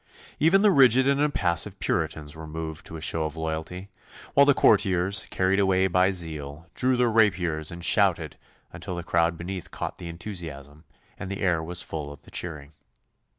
Even the rigid and impassive Puritans were moved to a show of loyalty; while the courtiers, carried away by zeal, drew their rapiers and shouted until the crowd beneath caught the enthusiasm, and the air was full of the cheering.